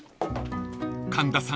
［神田さん